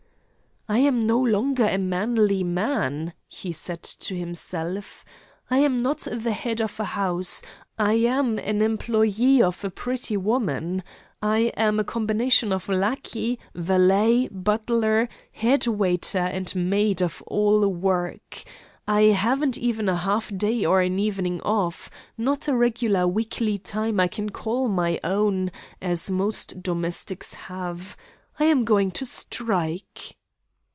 'I am no longer a manly man,' he said to himself, 'I am not the head of a house; I am an employé of a pretty woman. I am a combination of lackey, valet, butler, head waiter, and maid of all work. I haven't even a half day or an evening off; not a regular weekly time I can call my own, as most domestics have I am going to strike.'